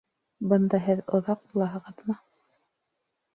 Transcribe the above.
Бында һеҙ оҙаҡ булаһығыҙмы?